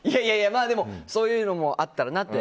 まあでもそういうのもあったらなと。